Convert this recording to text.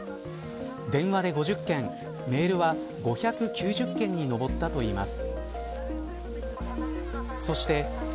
電話で５０件メールは５９０件に上ったといいます。